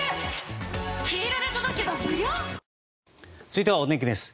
続いては、お天気です。